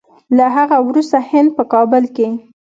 له هغه وروسته هند په کابل کې